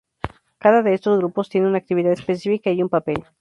Cada de estos grupos tiene una actividad específica y un papel.